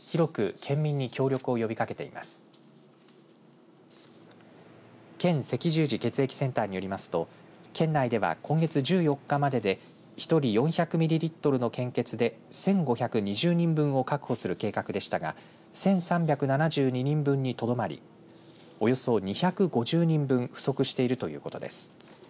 県赤十字血液センターによりますと県内では今月１４日までで１人４００ミリリットルの献血で１５２０人分を確保する計画でしたが１３７２人分にとどまりおよそ２５０人分不足しているということです。